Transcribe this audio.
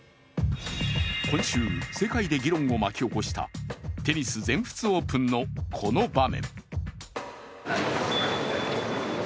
今週、世界で議論を巻き起こしたテニス全仏オープンのこの場面。